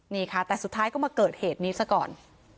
นี่ค่ะแต่สุดท้ายก็มาเกิดเหตุนี้ซะก่อน